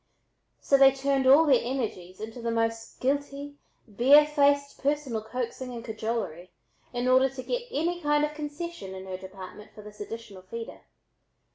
So they turned all their energies into the most guilty, barefaced personal coaxing and cajolery in order to get any kind of concession in her department for this additional feeder.